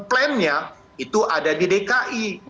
plan nya itu ada di dki